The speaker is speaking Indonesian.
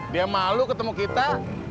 dia malu ketemu kita